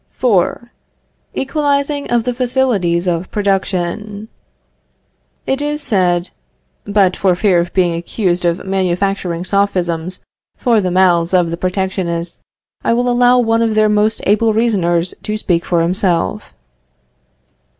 IV. EQUALIZING OF THE FACILITIES OF PRODUCTION. It is said ... but, for fear of being accused of manufacturing Sophisms for the mouths of the protectionists, I will allow one of their most able reasoners to speak for himself.